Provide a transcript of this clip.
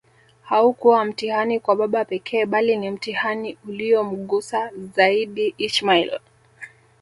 Haukua mtihani kwa baba pekee bali ni mtihani uliyomgusa zaidiIsmail